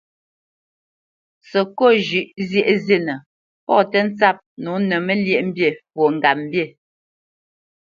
Səkôt zhʉ̌ʼ zyēʼ zînə, pɔ̌ tə́ ntsǎp nǒ nə Məlyéʼmbî fwo ŋgapmbî.